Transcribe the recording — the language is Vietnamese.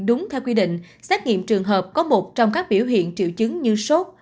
đúng theo quy định xét nghiệm trường hợp có một trong các biểu hiện triệu chứng như sốt